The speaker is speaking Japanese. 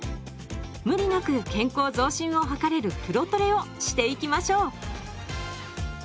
無理なく健康増進を図れる風呂トレをしていきましょう！